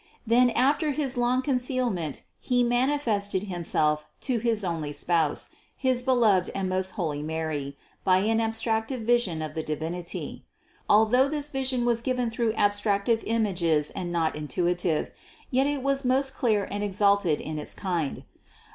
Then after his long concealment He manifested Himself to his only Spouse, his beloved and most holy Mary, by an abstrac tive vision of the Divinity. Although this vision was given through abstractive images and not intuitive, yet it was most clear and exalted in its kind.